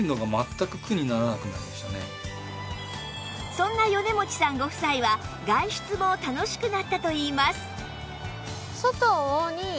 そんな米持さんご夫妻は外出も楽しくなったといいます